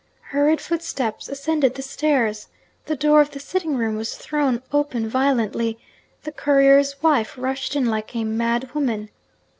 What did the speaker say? Hurried footsteps ascended the stairs. The door of the sitting room was thrown open violently; the courier's wife rushed in like a mad woman.